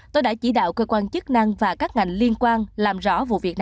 tôi đã chỉ đạo cơ quan chức năng và các ngành liên quan làm rõ